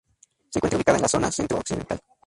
Se encuentra ubicada en la zona centro-occidental.